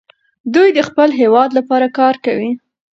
دوی د خپل هېواد لپاره کار کوي.